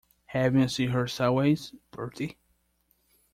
Have you seen her sideways, Bertie?